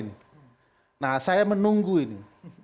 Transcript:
nah saya menunggu ini